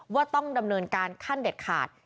ว่าต้องดำเนินการขั้นเด็ดขาด